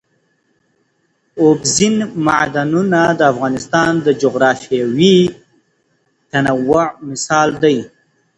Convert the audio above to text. اوبزین معدنونه د افغانستان د جغرافیوي تنوع مثال دی.